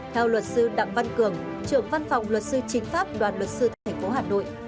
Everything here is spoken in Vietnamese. theo luật sư đặng văn cường trưởng văn phòng luật sư chính pháp đoàn luật sư tp hà nội